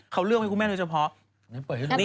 เขาเลือกให้คุณแม่โดยเฉพาะ